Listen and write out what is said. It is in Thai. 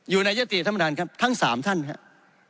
อยู่ในยติครับท่านมัฐานครับทั้งสามท่านครับ